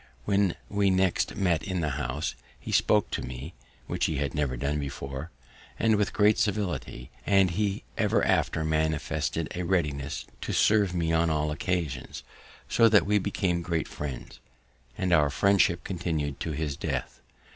When we next met in the House, he spoke to me (which he had never done before), and with great civility; and he ever after manifested a readiness to serve me on all occasions, so that we became great friends, and our friendship continued to his death.